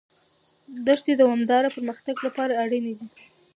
دښتې د دوامداره پرمختګ لپاره اړینې دي.